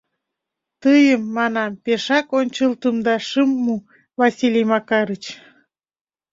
— Тыйым, — манам, — пешак ончылтым да шым му, Василий Макарыч.